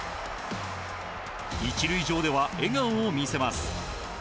１塁上では笑顔を見せます。